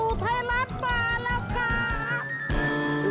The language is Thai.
อันนี้ท่าอะไรเมื่อกี้